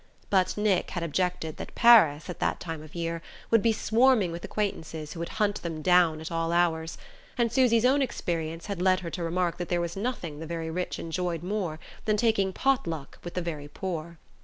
But Nick had objected that Paris, at that time of year, would be swarming with acquaintances who would hunt them down at all hours; and Susy's own experience had led her to remark that there was nothing the very rich enjoyed more than taking pot luck with the very poor.